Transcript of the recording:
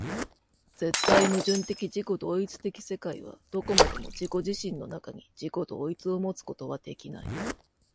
絶対矛盾的自己同一的世界はどこまでも自己自身の中に、自己同一をもつことはできない。